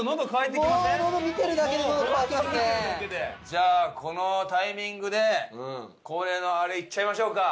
じゃあこのタイミングで恒例のあれいっちゃいましょうか。